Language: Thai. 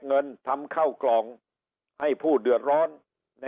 เงินทำเข้ากล่องให้ผู้เดือดร้อน